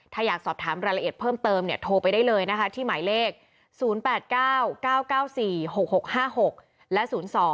ถ้าอยากสอบถามรายละเอียดเพิ่มเติมเนี่ยโทรไปได้เลยนะคะที่หมายเลข๐๘๙๙๙๔๖๖๕๖และ๐๒